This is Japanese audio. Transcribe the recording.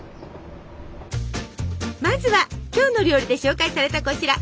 まずは「きょうの料理」で紹介されたこちら！